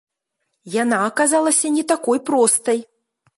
Яна аказалася не такой простай.